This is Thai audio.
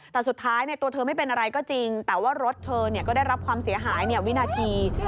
แต่สุดท้ายตัวเธอไม่เป็นอะไรก็จริงแต่ว่ารถเธอก็ได้รับความเสียหายวินาที